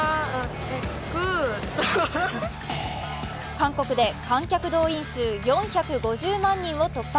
韓国で観客動員数４５０万人を突破。